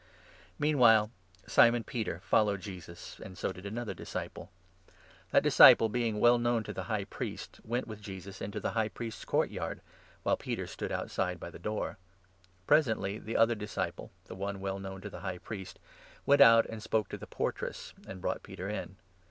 Meanwhile Simon Peter followed Jesus, and 15 Peter disowns so did another disciple. That disciple, being well known to the High Priest, went with Jesus into the High Priest's court yard, while Peter stood outside 16 by the door. Presently the other disciple — the one well known to the High Priest — went out and spoke to the portress, and brought Peter in.